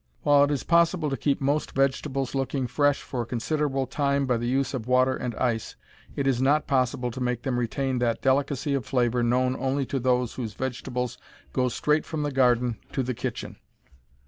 While it is possible to keep most vegetables looking fresh for a considerable time by the use of water and ice, it is not possible to make them retain that delicacy of flavor known only to those whose vegetables go straight from the garden to the kitchen.